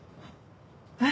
えっ？